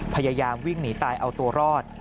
พยายามวิ่งหนีตายเอาตัวรอด